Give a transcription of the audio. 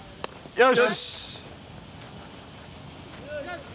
よし！